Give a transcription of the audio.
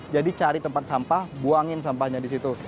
jadi cari tempat sampah buangin sampahnya di situ